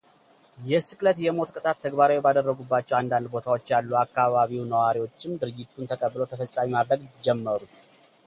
የስቅለት የሞት ቅጣት ተግባራዊ ባደረጉባቸው አንዳንድ ቦታዎች ያሉ የአካባቢው ነዋሪዎችም ድርጊቱን ተቀብለው ተፈጻሚ ማድረግ ጀመሩ።